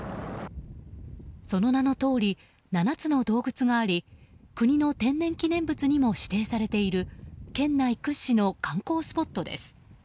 その名のとおり７つの洞窟があり国の天然記念物にも指定されている県内屈指の観光スポットです。